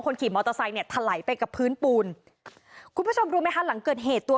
ขี่มอเตอร์ไซค์เนี่ยถลายไปกับพื้นปูนคุณผู้ชมรู้ไหมคะหลังเกิดเหตุตัว